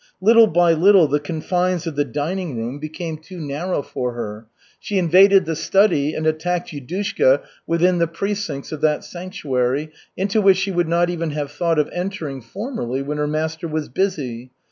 Little by little the confines of the dining room became too narrow for her. She invaded the study and attacked Yudushka within the precincts of that sanctuary, into which she would not even have thought of entering formerly when her master was "busy."